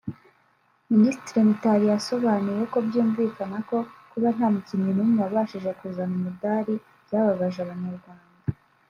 Minisitiri Mitali yasobanuye ko byumvikana ko kuba nta mukinnyi n’umwe wabashije kuzana umudari byababaje Abanyarwanda